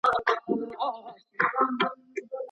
نجوني بايد د خپلو حقونو څخه برخمنې سي.